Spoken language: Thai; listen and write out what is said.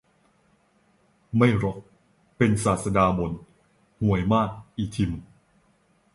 ไม่หรอก เป็นศาสดาบ่น ห่วยมากอีทิม